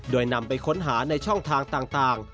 โดยนำไปค้นหาในช่องทางต่าง